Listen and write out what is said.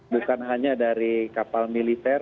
bukan hanya dari kapal militer